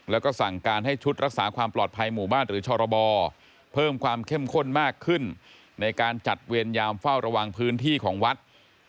แล้วก็สั่งการให้ชุดรักษาความปลอดภัยหมู่บ้านหรือชรบเพิ่มความเข้มข้นมากขึ้นในการจัดเวรยามเฝ้าระวังพื้นที่ของวัด